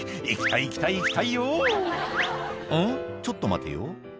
ちょっと待てよ」